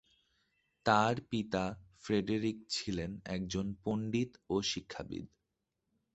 তার পিতা ফ্রেডেরিক ছিলেন একজন পণ্ডিত ও শিক্ষাবিদ।